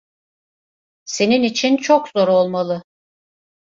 Senin için çok zor olmalı.